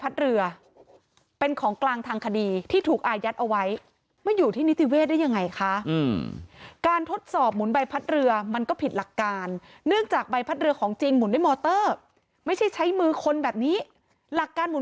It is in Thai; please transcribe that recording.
สันนิษฐานว่าโดนใบพัดทั้งหมด๘ครั้ง